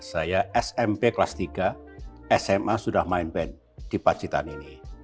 saya smp kelas tiga sma sudah main band di pacitan ini